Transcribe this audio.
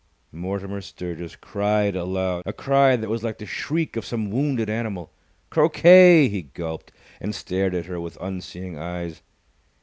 Mortimer Sturgis cried aloud, a cry that was like the shriek of some wounded animal. "Croquet!" He gulped, and stared at her with unseeing eyes.